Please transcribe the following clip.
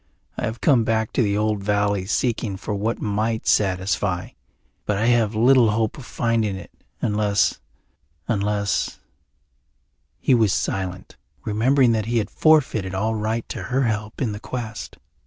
I have come back to the old valley seeking for what might satisfy, but I have little hope of finding it, unless unless " He was silent, remembering that he had forfeited all right to her help in the quest.